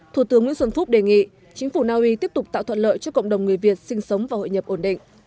thủ tướng nguyễn xuân phúc đề nghị chính phủ naui tiếp tục tạo thuận lợi cho cộng đồng người việt sinh sống và hội nhập ổn định